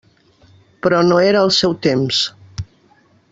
Però no era el seu temps.